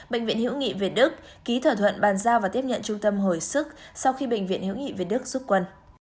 bệnh viện hiệu nghị việt đức ký thỏa thuận bàn giao và tiếp nhận trung tâm hồi sức sau khi bệnh viện hiệu nghị việt đức xuất quân